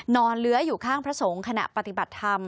เลื้อยอยู่ข้างพระสงฆ์ขณะปฏิบัติธรรม